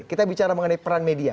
kita bicara mengenai peran media